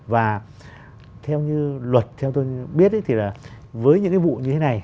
và theo như luật theo tôi biết thì là với những cái vụ như thế này